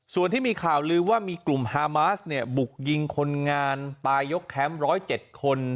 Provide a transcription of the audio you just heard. ส่วนที่มีข่าวลือว่ามีกลุ่มฮามาสเนี่ยบุกยิงคนงานตายยกแคมป์๑๐๗คน